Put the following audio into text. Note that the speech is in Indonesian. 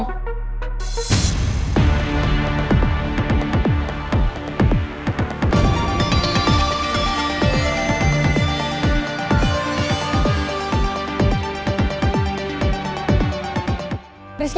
rizky tunggu dong rizky